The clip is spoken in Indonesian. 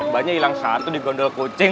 banyak hilang satu di gondol kucing